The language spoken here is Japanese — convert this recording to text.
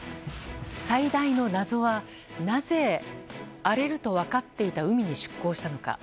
最大の謎はなぜ荒れると分かっていた海に出航したのか。